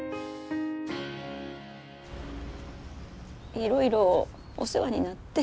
いろいろお世話になって。